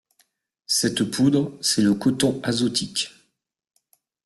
Cette poudre, c’est le coton azotique...